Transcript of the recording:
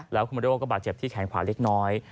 แล้วคุณมาโดก็บาดเจ็บที่แขนขวาเล็กน้อย